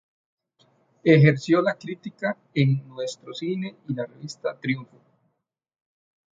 Ejerció la crítica en "Nuestro Cine" y la revista "Triunfo".